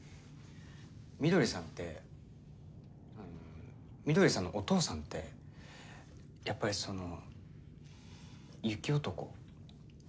翠さんって翠さんのお父さんってやっぱりその雪男？